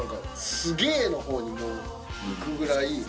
の方にもういくぐらい。